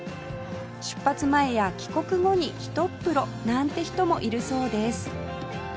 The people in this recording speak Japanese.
出発前や帰国後にひとっ風呂なんて人もいるそうです